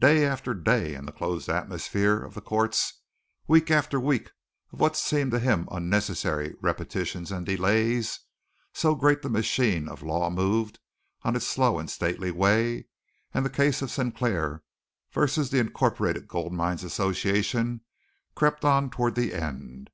Day after day, in the close atmosphere of the Courts, week after week of what seemed to him unnecessary repetitions and delays, so the great machine of the law moved on its slow and stately way, and the case of Sinclair v. The Incorporated Gold Mines Association crept on toward the end.